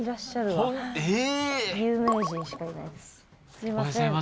すみません。